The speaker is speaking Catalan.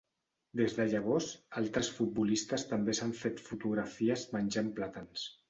Des de llavors, altres futbolistes també s'han fet fotografies menjant plàtans.